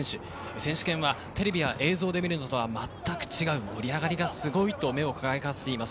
選手権はテレビや映像で見るのとはまったく違う盛り上がりがすごい！と目を輝かせています。